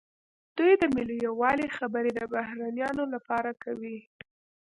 دوی د ملي یووالي خبرې د بهرنیانو لپاره کوي.